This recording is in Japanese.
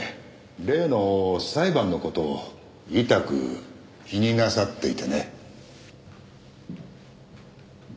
例の裁判の事をいたく気になさっていてね。